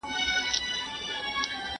پر باړخو دي وېرېدلي اوښکي اف اف